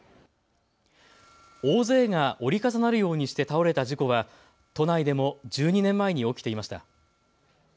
大勢が折り重なるようにして倒れた事故は都内でも１２年前に起きていました。